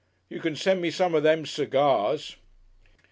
You can send me some of them segars...."